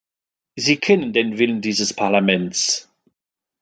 Sie kennen den Willen dieses Parlaments.